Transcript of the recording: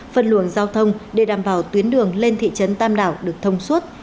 phân luồng giao thông để đảm bảo tuyến đường lên thị trấn tam đảo được thông suốt